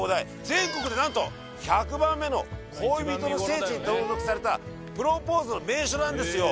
全国で何と１００番目の恋人の聖地に登録されたプロポーズの名所なんですよ。